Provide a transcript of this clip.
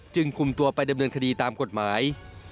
คุมตัวไปดำเนินคดีตามกฎหมาย